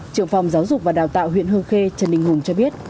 trưởng phòng giáo dục và đào tạo huyện hương khê trần đình hùng cho biết